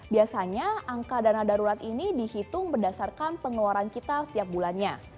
biasanya angka dana darurat ini dihitung berdasarkan pengeluaran kita setiap bulannya